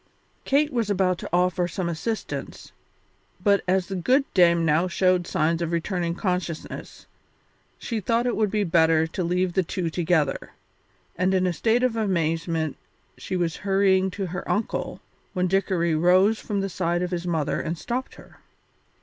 Kate was about to offer some assistance, but as the good Dame now showed signs of returning consciousness, she thought it would be better to leave the two together, and in a state of amazement she was hurrying to her uncle when Dickory rose from the side of his mother and stopped her.